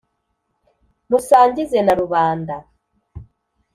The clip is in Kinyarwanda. musangize na rubanda